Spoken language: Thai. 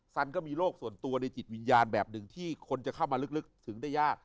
สันก็มีโรคส่วนตัวในจิตวิญญาณแบบหนึ่งที่คนจะเข้ามาลึกถึงได้ยาก